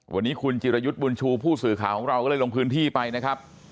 วันนี้คุณจิรยุทธ์บุญชูผู้สื่อข่าวของเราก็เลยลงพื้นที่ไปนะครับ